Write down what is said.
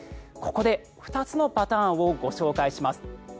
ここで、２つのパターンをご紹介します。